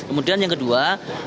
kemudian yang kedua